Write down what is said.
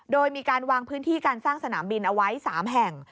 โดยมีการวางพื้นที่การสร้างสนามบินเอาไว้๓แห่ง